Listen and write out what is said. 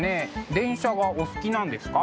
電車がお好きなんですか？